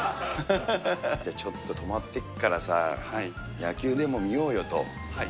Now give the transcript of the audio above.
じゃあちょっと泊まっていくからさ、野球でも見ようよと。